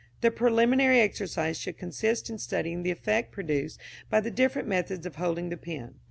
The preliminary exercise should consist in studying the effect produced by the different methods of holding the pen.